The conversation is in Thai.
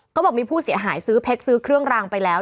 เขาบอกมีผู้เสียหายซื้อเพชรซื้อเครื่องรางไปแล้ว